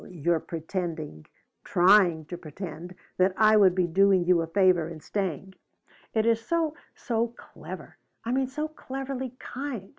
Your pretending trying to pretend that I would be doing you a favor in staying. It is so so clever. I mean so cleverly kind.